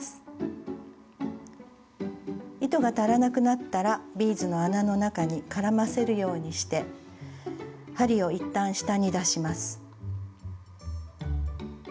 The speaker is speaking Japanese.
糸が足らなくなったらビーズの穴の中に絡ませるようにして針を一旦下に出します。